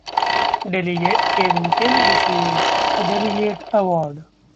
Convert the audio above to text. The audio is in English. Delegate Kevin Kim received a delegate award.